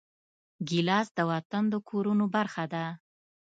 ګیلاس د وطن د کورونو برخه ده.